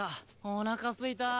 おなかすいた。